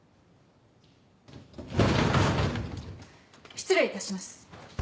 失礼いたします。